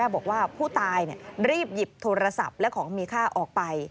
บอกว่าผู้ตายรีบหยิบโทรศัพท์และของมีค่าออกไป